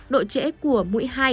độ trễ của mũi hai